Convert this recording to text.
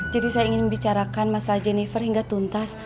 jadi saya ingin membicarakan masa jennifer hingga tuntas